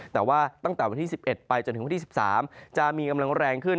แต่ว่าตั้งแต่วันที่๑๑ไปจนถึงวันที่๑๓จะมีกำลังแรงขึ้น